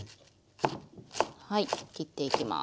はい切っていきます。